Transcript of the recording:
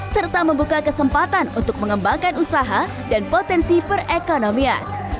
serta membuka kesempatan untuk membeli produk yang berbeda